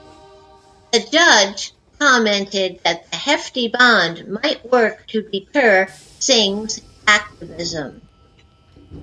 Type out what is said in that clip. The judge commented that the "hefty bond" might work to deter Singh's activism.